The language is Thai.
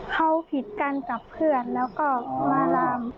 เขาผิดกันกับเพื่อนแล้วก็มาราม